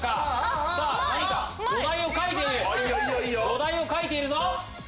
土台を描いているぞ。